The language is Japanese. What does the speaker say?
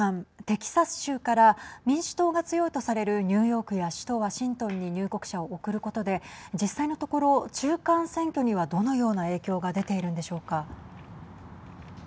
テキサス州から民主党が強いとされるニューヨークや首都ワシントンに入国者を送ることで実際のところ中間選挙にはどのような影響が出ているんでしょうか。